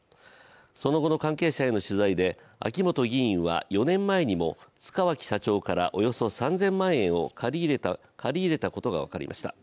その後の関係者への取材で秋本議員は４年前にも塚脇社長からおよそ３０００万円を借り入れたことが分かりました。